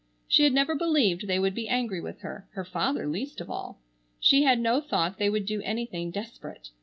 She had never believed they would be angry with her, her father least of all. She had no thought they would do anything desperate.